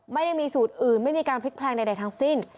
ไม่ได้มีสูตรอื่นไม่มีการพลิกแพลงใดทั้งสิ้น